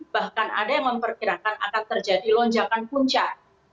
bahkan ada yang memperkirakan akan terjadi lonjakan puncak